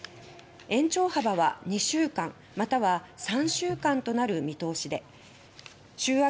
延長幅は２週間または３週間となる見通しです